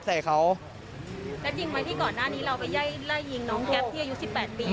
ใส่เขาแล้วยิงไหมที่ก่อนหน้านี้เราไปไล่ไล่ยิงน้องแก๊ปที่อายุสิบแปดปี